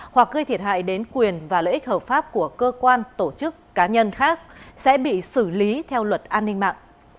hoặc gây thiệt hại đến quyền và lợi ích hợp pháp của cơ quan tổ chức cá nhân khác sẽ bị xử lý theo luật an ninh mạng